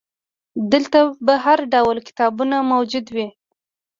دلته به هرډول کتابونه موجود وي.